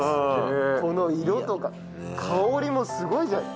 この色とか香りもすごいじゃん。